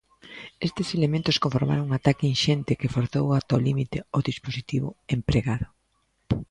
Estes elementos conformaron un ataque inxente que forzou ata o límite o dispositivo empregado.